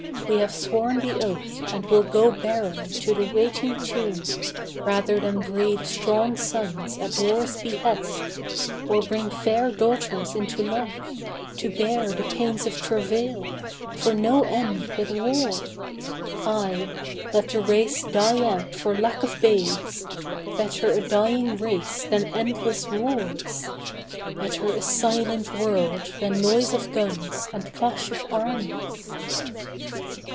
We have sworn the oath And will go barren to the waiting tomb Rather than breed strong sons at war's behest, Or bring fair daughters into life, to bear The pains of travail, for no end but war. Ay! let the race die out for lack of babes Better a dying race than endless wars! Better a silent world than noise of guns And clash of armies.